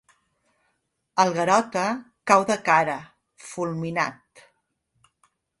El Garota cau de cara, fulminat.